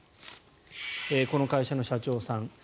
この会社の社長さん。